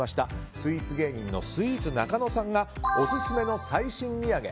スイーツ芸人のスイーツなかのさんがオススメの最新土産